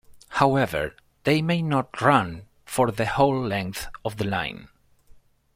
However they may not run for the whole length of the line.